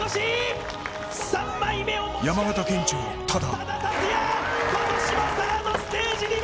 山形県庁の多田。